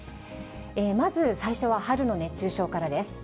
まず最初は春の熱中症からです。